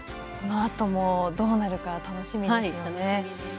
このあともどうなるか楽しみですよね。